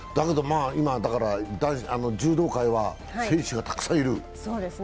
柔道界は選手がたくさんいる。